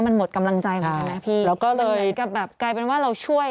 มันหมดกำลังใจหมดแล้วนะพี่แล้วก็เลยกับแบบกลายเป็นว่าเราช่วย